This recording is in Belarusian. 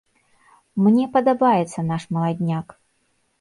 Мне падабаецца наш маладняк.